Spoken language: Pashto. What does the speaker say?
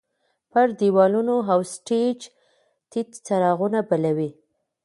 پر دیوالونو او سټیج تت څراغونه بل وو.